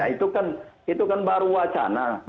itu kan baru wacana